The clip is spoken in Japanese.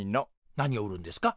何を売るんですか？